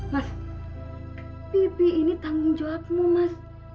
mas pipi ini tanggung jawabmu mas